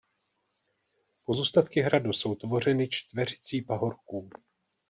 Pozůstatky hradu jsou tvořeny čtveřicí pahorků.